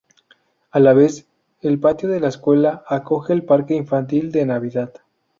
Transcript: A la vez, el patio de la escuela acoge el Parque infantil de Navidad.